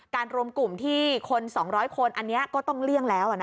รวมกลุ่มที่คน๒๐๐คนอันนี้ก็ต้องเลี่ยงแล้ว